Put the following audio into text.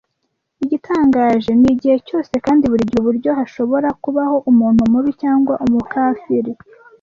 Igitangaje nigihe cyose kandi burigihe uburyo hashobora kubaho umuntu mubi cyangwa umukafiri.